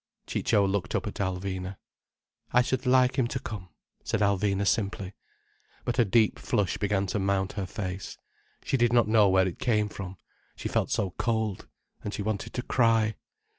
Ciccio looked up at Alvina. "I should like him to come," said Alvina simply. But a deep flush began to mount her face. She did not know where it came from, she felt so cold. And she wanted to cry.